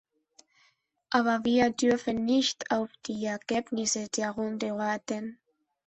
Aber wir dürfen nicht auf die Ergebnisse der Runde warten.